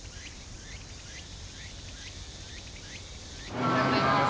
おはようございます。